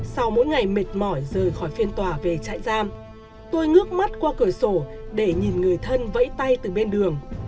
sau mỗi ngày mệt mỏi rời khỏi phiên tòa về trại giam tôi ngước mắt qua cửa sổ để nhìn người thân vẫy tay từ bên đường